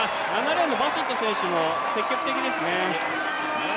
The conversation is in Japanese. ７レーンのバシット選手も積極的ですね。